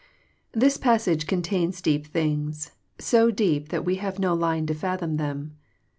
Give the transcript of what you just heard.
This passage oontains deep things, so deep that we have no line to fathom them.